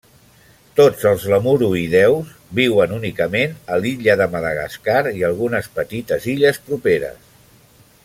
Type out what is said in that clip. Tots els lemuroïdeus viuen únicament a l'illa de Madagascar i algunes petites illes properes.